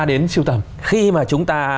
đến siêu tầm khi mà chúng ta